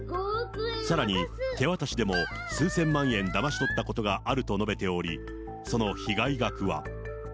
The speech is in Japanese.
さらに、手渡しでも数千万円だまし取ったことがあると述べており、その被害額は。